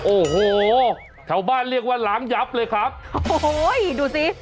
โอ้โฮเฉ่าบ้านเรียกว่าหลางยับเลยครับโอ้โฮดูซิ